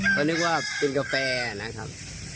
ก็นึกว่าเป็นกาแฟนะครับ